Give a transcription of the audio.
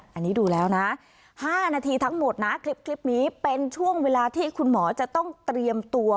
อันนี้ดูแล้วนะ๕นาทีทั้งหมดนะคลิปนี้เป็นช่วงเวลาที่คุณหมอจะต้องเตรียมตัว